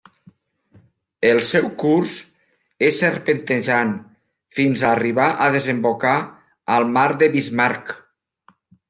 El seu curs és serpentejant fins a arribar a desembocar al Mar de Bismarck.